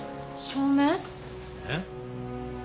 証明？えっ？